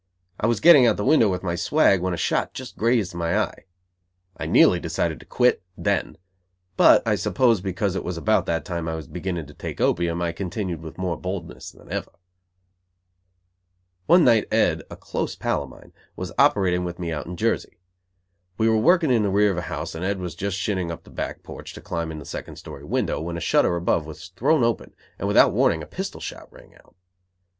I was getting out the window with my swag, when a shot just grazed my eye. I nearly decided to quit then, but, I suppose because it was about that time I was beginning to take opium, I continued with more boldness than ever. One night Ed, a close pal of mine, was operating with me out in Jersey. We were working in the rear of a house and Ed was just shinning up the back porch to climb in the second story window, when a shutter above was thrown open and, without warning, a pistol shot rang out.